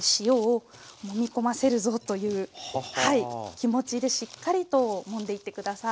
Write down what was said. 気持ちでしっかりともんでいって下さい。